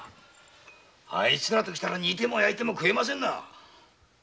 あいつらときたら煮ても焼いても食えませんな。